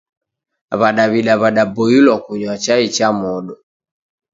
W'adaw'ida w'adaboilwa kunywa chai cha modo.